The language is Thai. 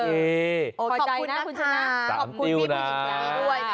ขอบคุณนะคะขอบคุณพี่มีอีกอย่างด้วยนะขอบคุณนะคุณชนะตามติ้วนะ